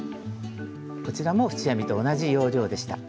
こちらも縁編みと同じ要領でした。